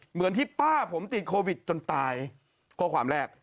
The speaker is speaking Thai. เหมือนที่ป้าผมติดโควิดจนตายข้อความแรก